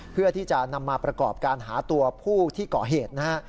เพื่อที่จะนำมาประกอบการหาตัวผู้ที่ก่อเหตุนะฮะ